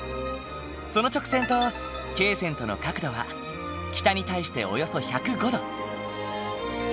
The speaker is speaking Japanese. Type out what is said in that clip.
その直線と経線との角度は北に対しておよそ１０５度。